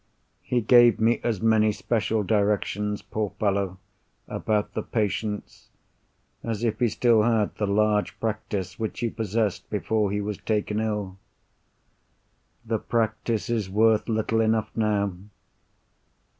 He gave me as many special directions, poor fellow, about the patients, as if he still had the large practice which he possessed before he was taken ill. The practice is worth little enough now!